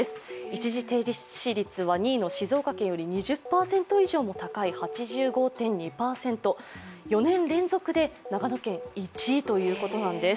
一時停止率は２位の静岡県よりも２０％以上高い８５．２％、４年連続で長野県、１位ということなんです。